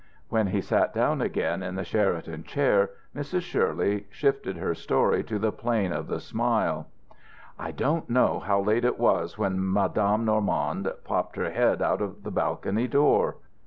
When he sat down again in the Sheraton chair Mrs. Shirley shifted her story to the plane of the smile. "I don't know how late it was when Madame Normand popped her head out of the balcony door."